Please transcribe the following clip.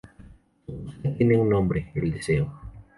Su búsqueda tiene un nombre: el deseo.